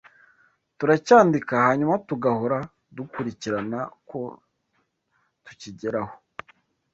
turacyandika hanyuma tugahora dukurikirana ko tukigeraho